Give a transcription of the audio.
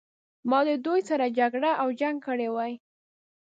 ما د دوی سره جګړه او جنګ کړی وای.